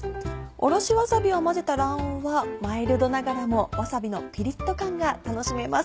おろしわさびを混ぜた卵黄はマイルドながらもわさびのピリっと感が楽しめます。